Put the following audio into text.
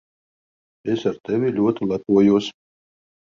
Es ar tevi ļoti lepojos.